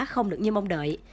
không được như mong đợi